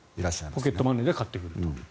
ポケットマネーで買ってくると。